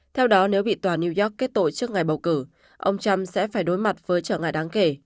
theo đó nếu bị tòa new york kết tổ chức ngày bầu cử ông trump sẽ phải đối mặt với trở ngại đáng kể